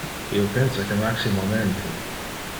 Io pensa que Maximo menti.